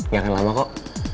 gak akan lama kok